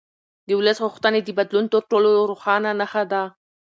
د ولس غوښتنې د بدلون تر ټولو روښانه نښه ده